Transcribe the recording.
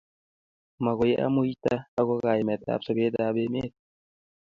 magoi amuita ako kaimet ab sobet ab emet